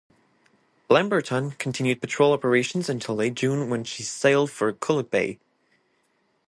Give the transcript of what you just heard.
"Lamberton" continued patrol operations until late June when she sailed for Kuluk Bay.